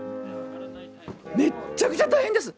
めっちゃくちゃ大変です！